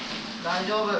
大丈夫。